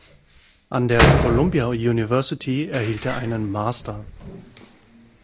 An der Columbia University erhielt er einen Master.